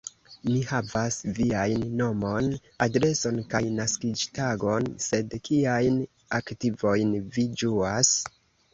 Ni havas viajn nomon, adreson kaj naskiĝtagon, sed kiajn aktivojn vi ĝuas?